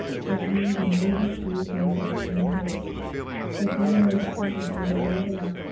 But he them overthrew both man and horfe, That they lay fcattred over all the land.